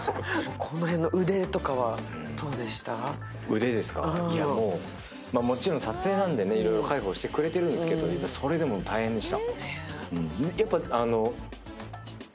腕はもちろん撮影なんでいろいろ介抱してくれているんですけど、それでも大変でした。